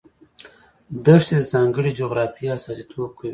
دښتې د ځانګړې جغرافیې استازیتوب کوي.